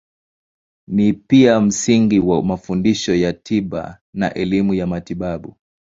Ni pia msingi wa mafundisho ya tiba na elimu ya matibabu.